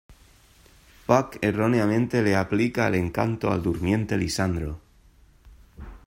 Puck erróneamente le aplica el encanto al durmiente Lisandro.